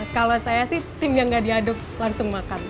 kalau saya sih tim yang gak diaduk langsung makan